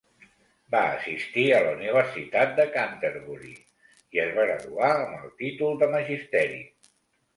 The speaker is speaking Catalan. Va assistir a la Universitat de Canterbury i es va graduar amb el Títol de Magisteri.